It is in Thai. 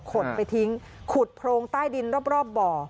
ไปทิ้งขุดโพรงใต้ดินรอบบ่อ